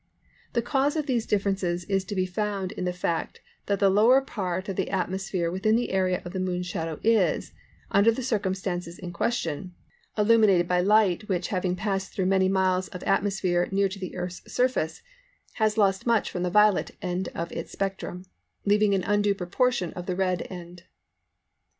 The cause of these differences is to be found in the fact that the lower part of the atmosphere within the area of the Moon's shadow is, under the circumstances in question, illuminated by light which having passed through many miles of atmosphere near to the Earth's surface, has lost much from the violet end of its spectrum, leaving an undue proportion of the red end.